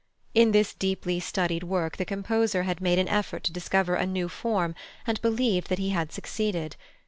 In this deeply studied work the composer had made an effort to discover a new form, and believed that he had succeeded.